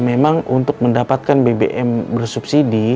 memang untuk mendapatkan bbm bersama dengan bbm itu memang sangat penting